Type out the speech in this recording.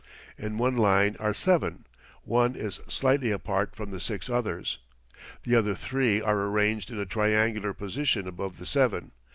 In one line are seven; one is slightly apart from the six others. The other three are arranged in a triangular position above the seven.